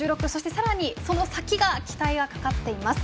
さらに、その先が期待がかかっています。